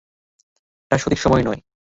এটা সঠিক সময় নয়।